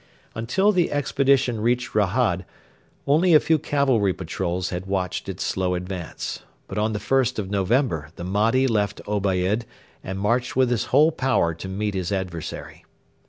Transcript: Until the expedition reached Rahad only a few cavalry patrols had watched its slow advance. But on the 1st of November the Mahdi left El Obeid and marched with his whole power to meet his adversary.